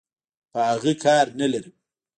په اغه کار نلرم.